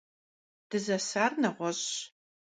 Дызэсар нэгъуэщӀщ.